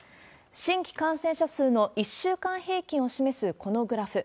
新規感染者数の１週間平均を示すこのグラフ。